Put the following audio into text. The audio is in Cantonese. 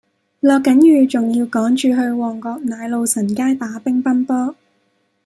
落緊雨仲要趕住去旺角奶路臣街打乒乓波